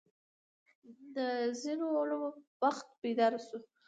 د ځینو علومو بخت بیدار شو.